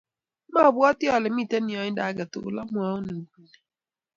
mabwoti ale miten yaindo age tugul amwoun nguni